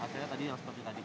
hasilnya tadi seperti tadi